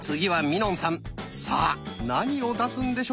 さあ何を出すんでしょうか？